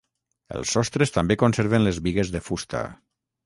Els sostres també conserven les bigues de fusta.